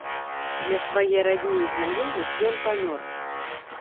Для свае радні і знаёмых ён памёр.